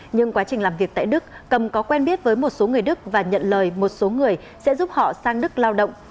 nhưng quá trình làm việc tại đức cầm có quen biết với một số người đức và nhận lời một số người sẽ giúp họ sang đức lao động